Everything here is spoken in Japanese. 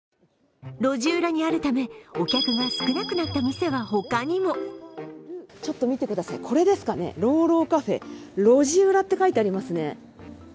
路地裏にあるためお客が少なくなった店は他にも見てください、これですかね、ＲＯＵＲＯＵＣａｆｅ、ロジウラって書いてありますね。